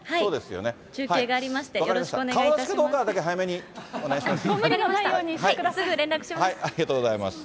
中継がありまして、よろしくお願いいたします。